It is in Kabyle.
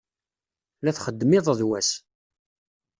La txeddem iḍ d wass.